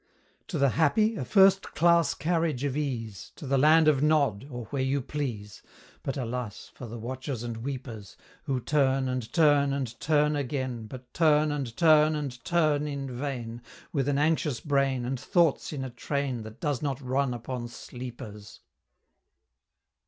To the happy, a first class carriage of ease, To the Land of Nod, or where you please; But alas! for the watchers and weepers, Who turn, and turn, and turn again, But turn, and turn, and turn in vain, With an anxious brain, And thoughts in a train That does not run upon _sleepers!